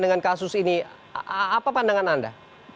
dengan kasus ini apa pandangan anda